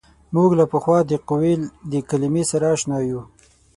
موږ له پخوا د قوې د کلمې سره اشنا یو.